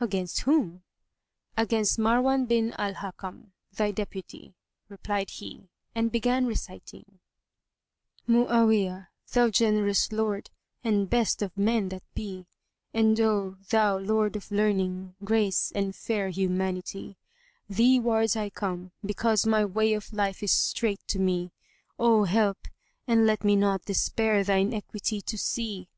"Against whom?" "Against Marwan bin al Hakam,[FN#144] thy deputy," replied he, and began reciting, "Mu'áwiyah,[FN#145] thou gen'rous lord, and best of men that be; * And oh, thou lord of learning, grace and fair humanity, Thee wards I come because my way of life is strait to me: * O help! and let me not despair thine equity to see.